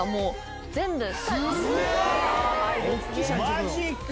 マジか！